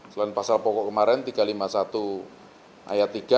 selain pasal pokok kemarin tiga ratus lima puluh satu ayat tiga